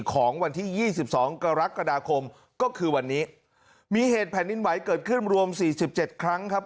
ของวันที่๒๒กรกฎาคมก็คือวันนี้มีเหตุแผ่นดินไหวเกิดขึ้นรวม๔๗ครั้งครับ